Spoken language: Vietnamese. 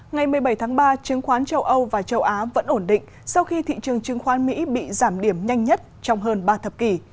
ngày một mươi bảy tháng ba chứng khoán châu âu và châu á vẫn ổn định sau khi thị trường chứng khoán mỹ bị giảm điểm nhanh nhất trong hơn ba thập kỷ